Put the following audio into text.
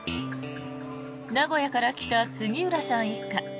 名古屋から来た杉浦さん一家。